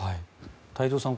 太蔵さん